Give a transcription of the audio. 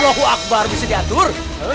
allahuakbar bisa diatur